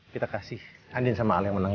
kita kasih andin sama al yang menang ya